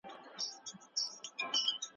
زه هره ورځ د کمپیوټر پر